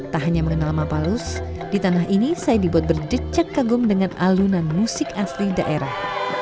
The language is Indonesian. tak hanya mengenal mapalus di tanah ini saya dibuat berdecak kagum dengan alunan musik asli daerah